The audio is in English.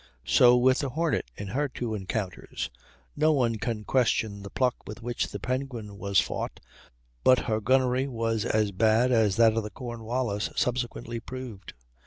So with the Hornet in her two encounters; no one can question the pluck with which the Penguin was fought, but her gunnery was as bad as that of the Cornwallis subsequently proved.